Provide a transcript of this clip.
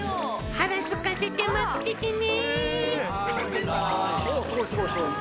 腹すかせて待っててね。